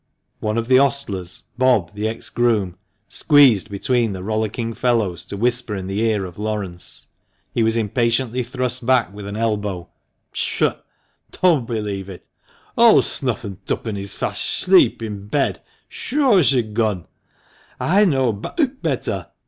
One of the ostlers — Bob, the ex groom — squeezed between the rollicking fellows to whisper in the ear of Laurence. He was impatiently thrust back with an elbow. " Tchut ! don't believe it. Old snuff an' tuppeny's fast 'shleep in bed shuresh a gun. I know b better.